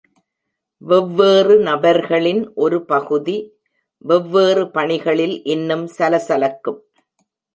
வெவ்வேறு நபர்களின் ஒரு பகுதி வெவ்வேறு பணிகளில் இன்னும் சலசலக்கும்.